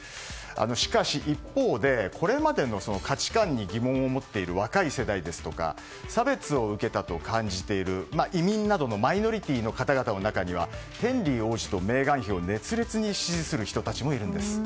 しかし、一方でこれまでの価値観に疑問を持っている若い世代ですとか差別を受けたと感じている移民などのマイノリティーの方々の中にはヘンリー王子とメーガン妃を熱烈に支持する人たちもいるんです。